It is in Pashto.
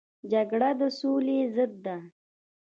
جګړه د سولې ضد ده